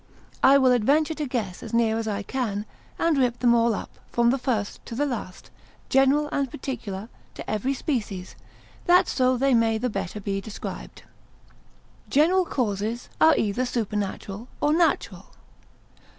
I will adventure to guess as near as I can, and rip them all up, from the first to the last, general and particular, to every species, that so they may the better be described. General causes, are either supernatural, or natural.